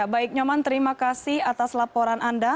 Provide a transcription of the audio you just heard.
baik nyoman terima kasih atas laporan anda